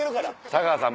田川さん